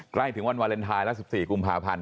ใกล้ถึงวันวาเลนไทยแล้ว๑๔กุมภาพันธ์